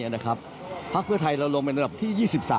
ภักดิ์เพื่อไทยเราลงไปลำดับที่๒๓